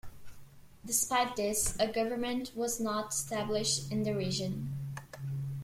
Despite this, a government was not established in the region.